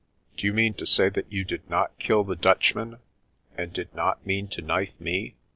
<c Do you mean to say that you did not kill the Dutchmen, and did not mean to knife me?